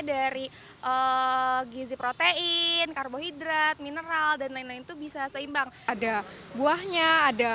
dari gizi protein karbohidrat mineral dan lain lain itu bisa seimbang ada buahnya ada